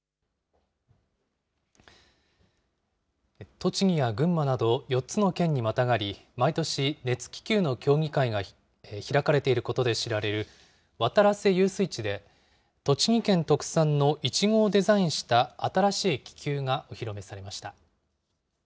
栃木や群馬など、４つの県にまたがり、毎年、熱気球の競技会が開かれていることで知られる、渡良瀬遊水地で、栃木県特産のいちごをデザインした新しい気球がお披露目されました。